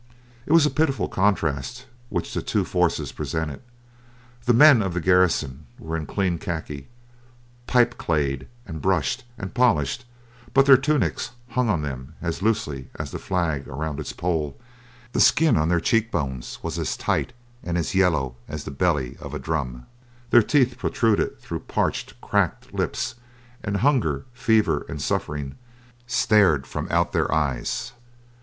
It was a pitiful contrast which the two forces presented. The men of the garrison were in clean khaki, pipe clayed and brushed and polished, but their tunics hung on them as loosely as the flag around its pole, the skin on their cheek bones was as tight and as yellow as the belly of a drum, their teeth protruded through parched, cracked lips, and hunger, fever, and suffering stared from out their eyes.